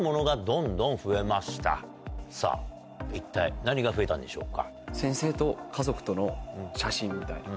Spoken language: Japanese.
さぁ一体何が増えたんでしょうか？